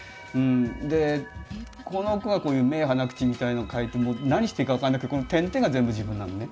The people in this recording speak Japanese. でこの子がこういう目鼻口みたいなのを描いてもう何していいか分かんなくてこの点々が全部自分なのね。